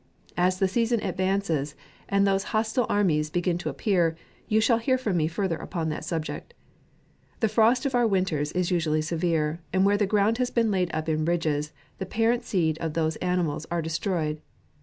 As the season advances, and those hostile armies begin to appear, you shall hear from me further upon that subject. The frost of our winters is usually severe, and where the ground has been laid up in ridges, the parent seed of those animals are destroyed.